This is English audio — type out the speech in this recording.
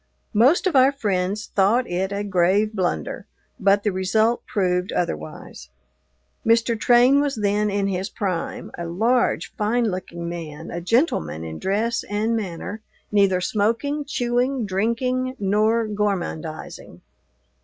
Most of our friends thought it a grave blunder, but the result proved otherwise. Mr. Train was then in his prime a large, fine looking man, a gentleman in dress and manner, neither smoking, chewing, drinking, nor gormandizing.